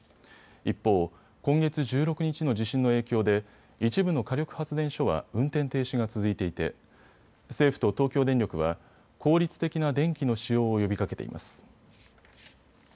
一方、今月１６日の地震の影響で一部の火力発電所は運転停止が続いていて政府と東京電力は効率的な電気の使用を呼びかけています。